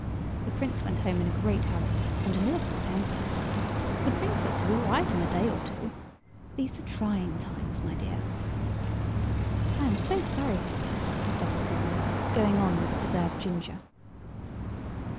The Prince went home in a great hurry and an awful temper. The Princess was all right in a day or two. These are trying times, my dear." "I am so sorry for you," said Matilda, going on with the preserved ginger.